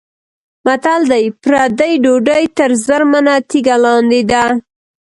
متل دی: پردۍ ډوډۍ تر زرمنه تیږه لاندې ده.